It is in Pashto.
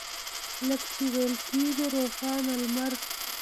لکه چې ویل کېږي روښانه لمر.